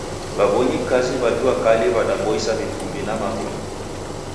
Wabonyikazi wa juakali wadapoisa vifumbi na mawuli.